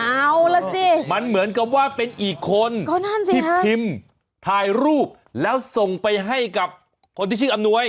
เอาล่ะสิมันเหมือนกับว่าเป็นอีกคนที่พิมพ์ถ่ายรูปแล้วส่งไปให้กับคนที่ชื่ออำนวย